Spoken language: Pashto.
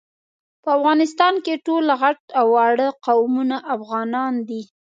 په افغانستان کي ټول غټ او واړه قومونه افغانان دي